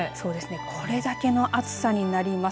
これだけの暑さになります。